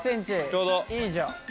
ちょうど。いいじゃん。